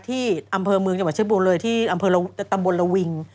ที่อำเภอเมืองจังหวัดชิบูรณเลยที่อำเภอตำบลละวิง